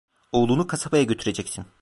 Oğlunu kasabaya götüreceksin…